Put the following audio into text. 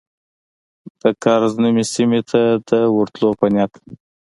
د کرز نومي سیمې ته د ورتلو په نیت.